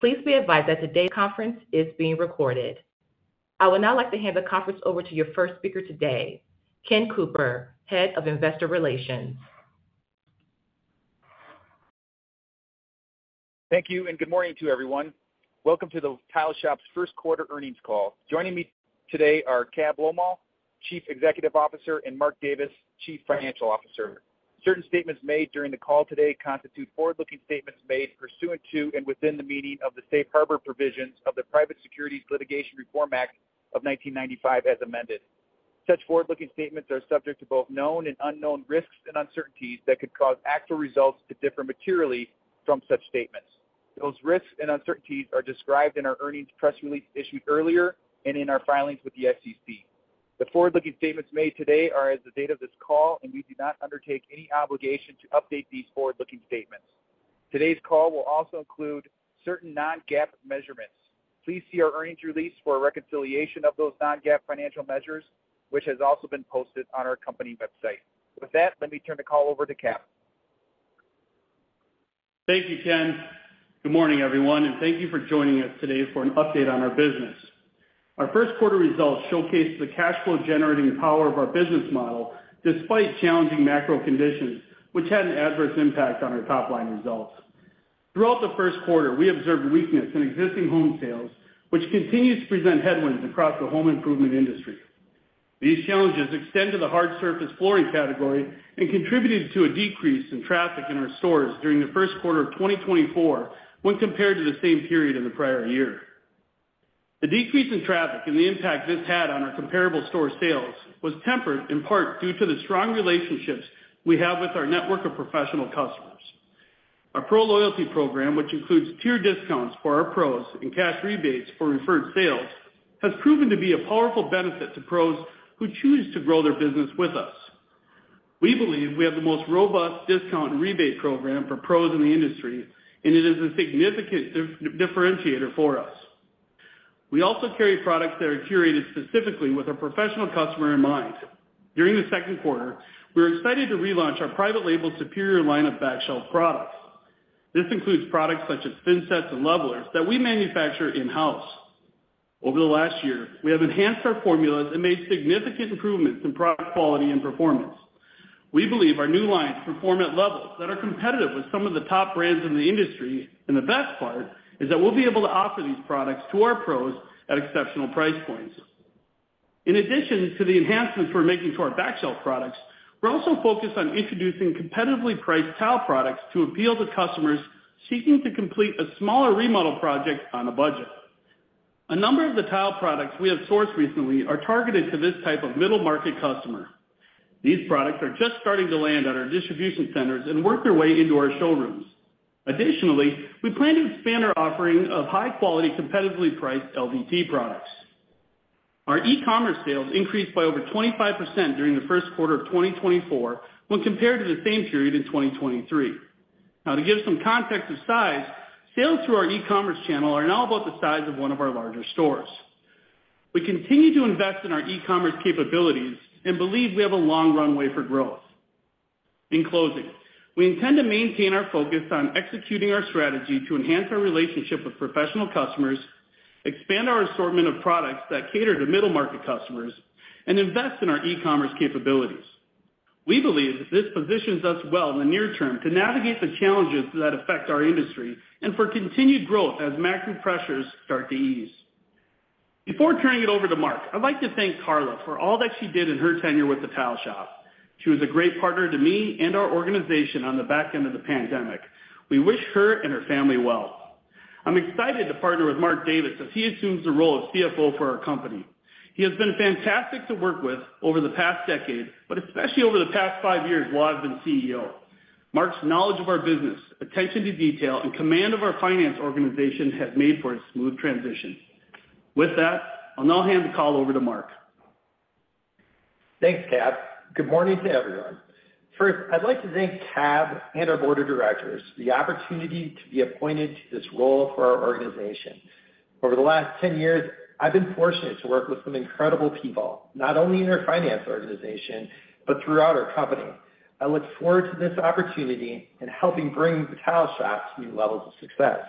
Please be advised that today's conference is being recorded. I would now like to hand the conference over to your first speaker today, Ken Cooper, Head of Investor Relations. Thank you, and good morning to everyone. Welcome to The Tile Shop's Q1 earnings call. Joining me today are Cab Lolmaugh, Chief Executive Officer, and Mark Davis, Chief Financial Officer. Certain statements made during the call today constitute forward-looking statements made pursuant to and within the meaning of the Safe Harbor provisions of the Private Securities Litigation Reform Act of 1995 as amended. Such forward-looking statements are subject to both known and unknown risks and uncertainties that could cause actual results to differ materially from such statements. Those risks and uncertainties are described in our earnings press release issued earlier and in our filings with the SEC. The forward-looking statements made today are as of the date of this call, and we do not undertake any obligation to update these forward-looking statements. Today's call will also include certain non-GAAP measurements. Please see our earnings release for a reconciliation of those non-GAAP financial measures, which has also been posted on our company website. With that, let me turn the call over to Cab. Thank you, Ken. Good morning, everyone, and thank you for joining us today for an update on our business. Our Q1 results showcased the cash flow-generating power of our business model despite challenging macro conditions, which had an adverse impact on our top-line results. Throughout the Q1, we observed weakness in existing home sales, which continues to present headwinds across the home improvement industry. These challenges extend to the hard surface flooring category and contributed to a decrease in traffic in our stores during the Q1 of 2024 when compared to the same period in the prior year. The decrease in traffic and the impact this had on our comparable store sales was tempered in part due to the strong relationships we have with our network of professional customers. Our pro loyalty program, which includes tier discounts for our pros and cash rebates for referred sales, has proven to be a powerful benefit to pros who choose to grow their business with us. We believe we have the most robust discount and rebate program for pros in the industry, and it is a significant differentiator for us. We also carry products that are curated specifically with our professional customer in mind. During the Q2, we were excited to relaunch our private label Superior line of back shelf products. This includes products such as thinset and levelers that we manufacture in-house. Over the last year, we have enhanced our formulas and made significant improvements in product quality and performance. We believe our new lines perform at levels that are competitive with some of the top brands in the industry, and the best part is that we'll be able to offer these products to our pros at exceptional price points. In addition to the enhancements we're making to our back shelf products, we're also focused on introducing competitively priced tile products to appeal to customers seeking to complete a smaller remodel project on a budget. A number of the tile products we have sourced recently are targeted to this type of middle-market customer. These products are just starting to land at our distribution centers and work their way into our showrooms. Additionally, we plan to expand our offering of high-quality, competitively priced LVT products. Our e-commerce sales increased by over 25% during the Q1 of 2024 when compared to the same period in 2023. Now, to give some context of size, sales through our e-commerce channel are now about the size of one of our larger stores. We continue to invest in our e-commerce capabilities and believe we have a long runway for growth. In closing, we intend to maintain our focus on executing our strategy to enhance our relationship with professional customers, expand our assortment of products that cater to middle-market customers, and invest in our e-commerce capabilities. We believe this positions us well in the near term to navigate the challenges that affect our industry and for continued growth as macro pressures start to ease. Before turning it over to Mark, I'd like to thank Karla for all that she did in her tenure with The Tile Shop. She was a great partner to me and our organization on the back end of the pandemic. We wish her and her family well. I'm excited to partner with Mark Davis as he assumes the role of CFO for our company. He has been fantastic to work with over the past decade, but especially over the past five years while I've been CEO. Mark's knowledge of our business, attention to detail, and command of our finance organization have made for a smooth transition. With that, I'll now hand the call over to Mark. Thanks, Cab. Good morning to everyone. First, I'd like to thank Cab and our board of directors for the opportunity to be appointed to this role for our organization. Over the last 10 years, I've been fortunate to work with some incredible people, not only in our finance organization but throughout our company. I look forward to this opportunity in helping bring the Tile Shop to new levels of success.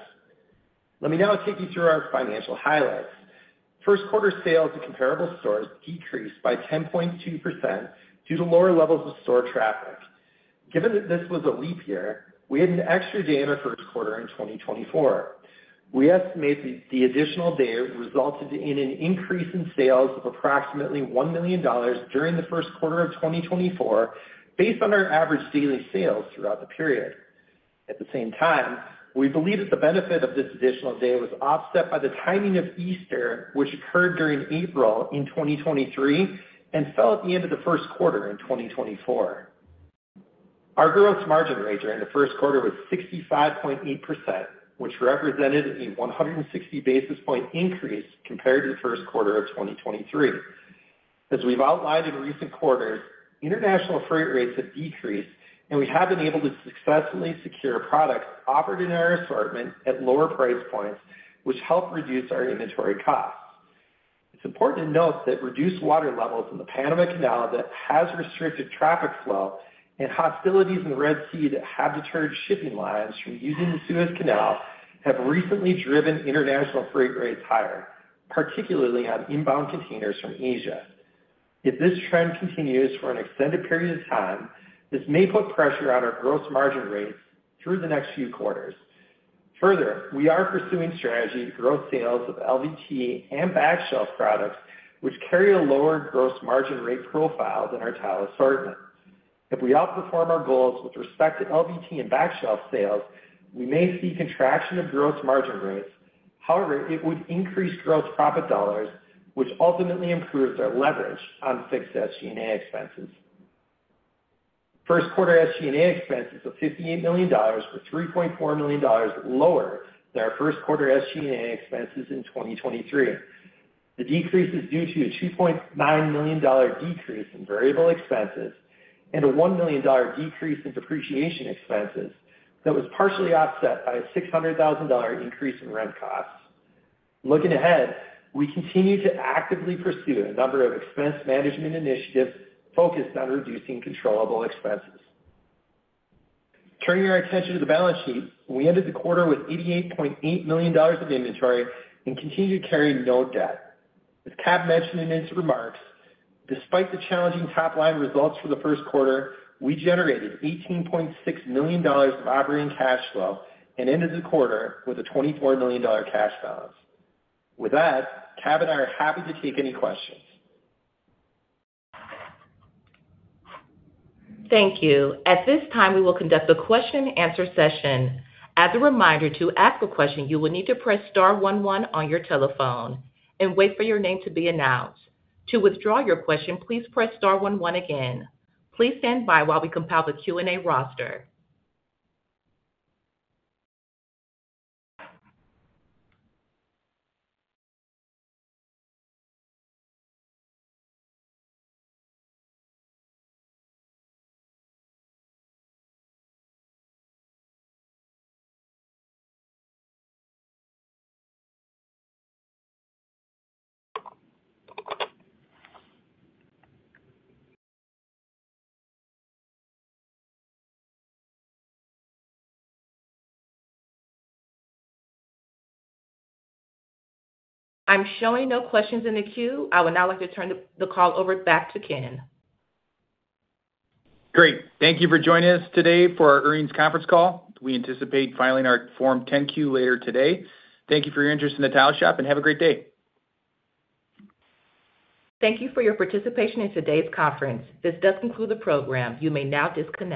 Let me now take you through our financial highlights. Q1 sales at comparable stores decreased by 10.2% due to lower levels of store traffic. Given that this was a leap year, we had an extra day in our Q1 in 2024. We estimate that the additional day resulted in an increase in sales of approximately $1 million during the Q1 of 2024 based on our average daily sales throughout the period. At the same time, we believe that the benefit of this additional day was offset by the timing of Easter, which occurred during April in 2023 and fell at the end of the Q1 in 2024. Our gross margin rate during the Q1 was 65.8%, which represented a 160 basis point increase compared to the Q1 of 2023. As we've outlined in recent quarters, international freight rates have decreased, and we have been able to successfully secure products offered in our assortment at lower price points, which helped reduce our inventory costs. It's important to note that reduced water levels in the Panama Canal that has restricted traffic flow and hostilities in the Red Sea that have deterred shipping lines from using the Suez Canal have recently driven international freight rates higher, particularly on inbound containers from Asia. If this trend continues for an extended period of time, this may put pressure on our gross margin rates through the next few quarters. Further, we are pursuing strategy to grow sales of LVT and back shelf products, which carry a lower gross margin rate profile than our tile assortment. If we outperform our goals with respect to LVT and back shelf sales, we may see contraction of gross margin rates. However, it would increase gross profit dollars, which ultimately improves our leverage on fixed SG&A expenses. Q1 SG&A expenses of $58 million were $3.4 million lower than our Q1 SG&A expenses in 2023. The decrease is due to a $2.9 million decrease in variable expenses and a $1 million decrease in depreciation expenses that was partially offset by a $600,000 increase in rent costs. Looking ahead, we continue to actively pursue a number of expense management initiatives focused on reducing controllable expenses. Turning your attention to the balance sheet, we ended the quarter with $88.8 million of inventory and continued to carry no debt. As Kab mentioned in his remarks, despite the challenging top-line results for the Q1, we generated $18.6 million of operating cash flow and ended the quarter with a $24 million cash balance. With that, Cab and I are happy to take any questions. Thank you. At this time, we will conduct a question-and-answer session. As a reminder, to ask a question, you will need to press star 11 on your telephone and wait for your name to be announced. To withdraw your question, please press star 11 again. Please stand by while we compile the Q&A roster. I'm showing no questions in the queue. I would now like to turn the call over back to Ken. Great. Thank you for joining us today for our earnings conference call. We anticipate filing our Form 10-Q later today. Thank you for your interest in The Tile Shop, and have a great day. Thank you for your participation in today's conference. This does conclude the program. You may now disconnect.